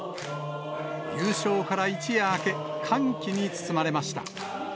優勝から一夜明け、歓喜に包まれました。